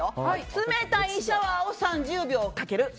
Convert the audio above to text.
冷たいシャワーを３０秒かける。